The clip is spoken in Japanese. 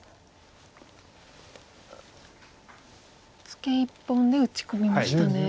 ツケ１本で打ち込みましたね。